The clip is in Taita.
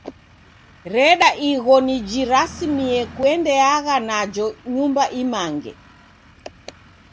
Reda igho nijirasimie kondeagha najo nyumba imange!